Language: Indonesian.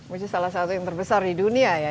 which salah satu yang terbesar di dunia ya